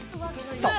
そう。